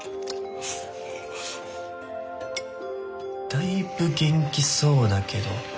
だいぶ元気そうだけど。